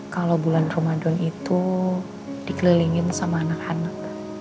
kalau bulan ramadan itu dikelilingin sama anak anak